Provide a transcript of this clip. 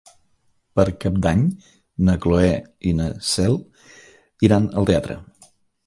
Per Cap d'Any na Cloè i na Cel iran al teatre.